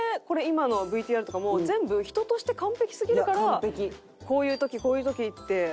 これ今のＶＴＲとかも全部人として完璧すぎるからこういう時こういう時って。